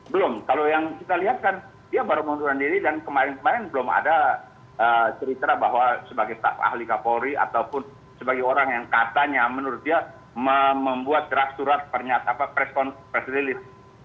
belum kalau yang kita lihat kan dia baru mengundurkan diri dan kemarin kemarin belum ada cerita bahwa sebagai staff ahli kapolri ataupun sebagai orang yang katanya menurut dia membuat gerak surat press release